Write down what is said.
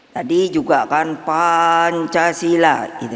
tadi juga kan pancasila